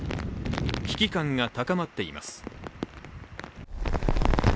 危機感が高まっています。